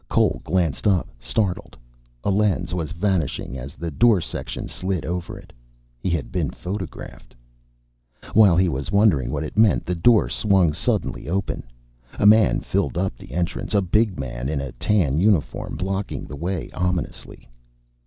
Cole glanced up, startled. A lens was vanishing as the door section slid over it. He had been photographed. While he was wondering what it meant, the door swung suddenly open. A man filled up the entrance, a big man in a tan uniform, blocking the way ominously.